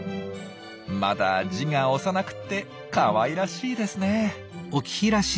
まだ字が幼くてかわいらしいですね。